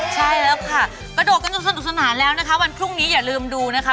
ใช่แล้วค่ะกระโดดกันจนสนุกสนานแล้วนะคะวันพรุ่งนี้อย่าลืมดูนะคะ